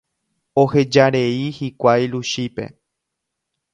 Ohejarei hikuái Luchípe.